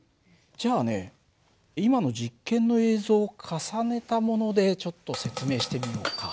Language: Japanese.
じゃあね今の実験の映像を重ねたものでちょっと説明してみようか。